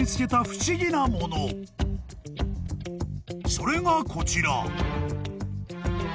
［それがこちら］